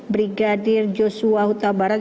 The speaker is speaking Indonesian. brigadir joshua huta barat